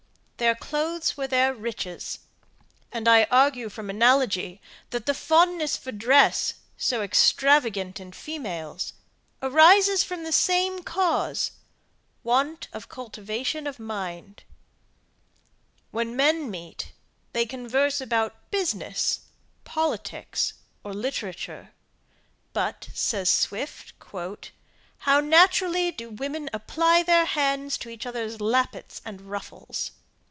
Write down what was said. Their clothes were their riches; and I argue from analogy, that the fondness for dress, so extravagant in females, arises from the same cause want of cultivation of mind. When men meet they converse about business, politics, or literature; but, says Swift, "how naturally do women apply their hands to each others lappets and ruffles."